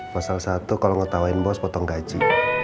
pasal satu kalau ngetawain bos potong gaji